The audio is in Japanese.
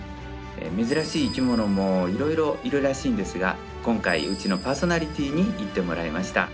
珍しい生き物もいろいろいるらしいんですが今回うちのパーソナリティーに行ってもらいました。